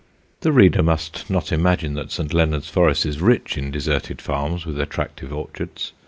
The reader must not imagine that St. Leonard's Forest is rich in deserted farms with attractive orchards.